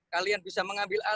kalian bisa mengambil alat